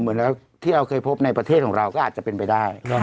เหมือนที่เราเคยพบในประเทศของเราก็อาจจะเป็นไปได้